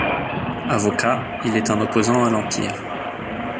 Avocat, il est un opposant à l'Empire.